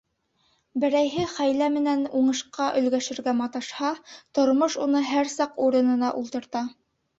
Берәйһе хәйлә менән уңышҡа өлгәшергә маташһа, тормош уны һәр саҡ урынына ултырта.